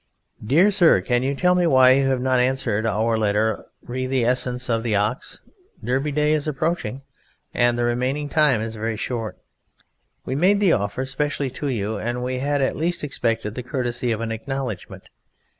_Dear Sir, Can you tell me why you have not answered Our letter re the Essence of the Ox? Derby Day is approaching, and the remaining time is very short. We made the offer specially to you, and we had at least expected the courtesy of an acknowledgment.